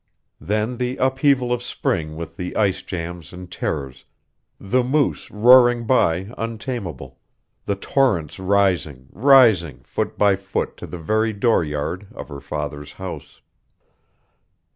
Then the upheaval of spring with the ice jams and terrors, the Moose roaring by untamable, the torrents rising, rising foot by foot to the very dooryard of her father's house.